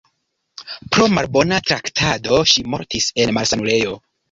Pro malbona traktado ŝi mortis en malsanulejo.